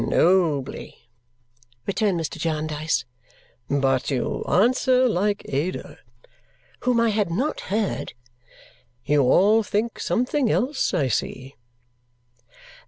"Nobly!" returned Mr. Jarndyce. "But you answer like Ada." Whom I had not heard. "You all think something else, I see."